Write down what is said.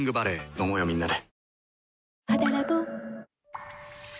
飲もうよみんなで。